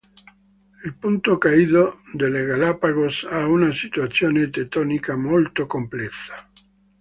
Il punto caldo delle Galápagos ha una situazione tettonica molto complessa.